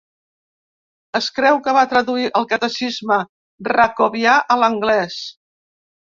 Es creu que va traduir el Catecisme racovià a l'anglès.